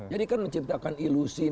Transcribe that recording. jadi kan menciptakan ilusi